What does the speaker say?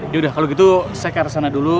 ya udah kalau gitu saya ke atas sana dulu